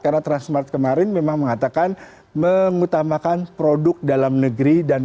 karena transmart kemarin memang mengatakan mengutamakan produk dalam negeri